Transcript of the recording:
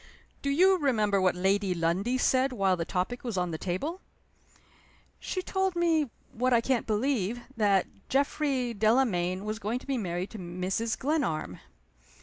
"Do you remember what Lady Lundie said while the topic was on the table?" "She told me, what I can't believe, that Geoffrey Delamayn was going to be married to Mrs. Glenarm."